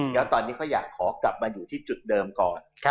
แล้วตอนนี้เขาอยากขอกลับมาอยู่ที่จุดเดิมก่อน